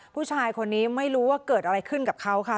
ผู้ชายคนนี้ไม่รู้ว่าเกิดอะไรขึ้นกับเขาค่ะ